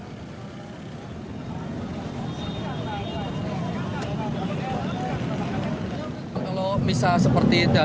sebelum diperkirakan pemerintah merasa takut dan menikmati bukit pelaku kota di sini